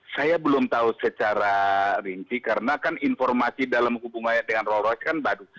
saya belum tahu secara rinci karena kan informasi dalam hubungannya dengan roll royce kan baru